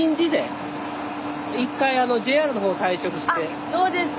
あそうですか。